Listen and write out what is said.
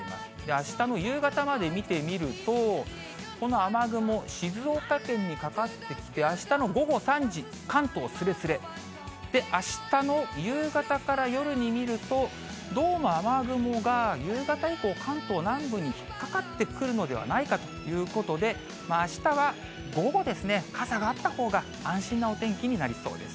あしたの夕方まで見てみると、この雨雲、静岡県にかかってきて、あしたの午後３時、関東すれすれ、で、あしたの夕方から夜に見ると、どうも雨雲が夕方以降、関東南部に引っかかってくるのではないかということで、あしたは午後ですね、傘があったほうが安心のお天気になりそうです。